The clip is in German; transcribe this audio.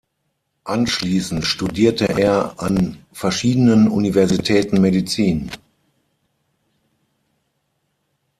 Anschließend studierte er an verschiedenen Universitäten Medizin.